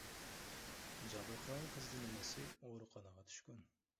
Жабыркаган кыздын энеси ооруканага түшкөн.